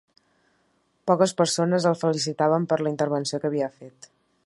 Poques persones el felicitaven per la intervenció que havia fet.